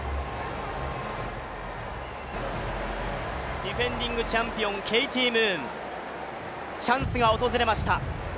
ディフェンディングチャンピオン、ケイティ・ムーン、チャンスが訪れました。